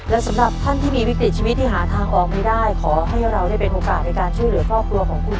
และสำหรับท่านที่มีวิกฤตชีวิตที่หาทางออกไม่ได้ขอให้เราได้เป็นโอกาสในการช่วยเหลือครอบครัวของคุณ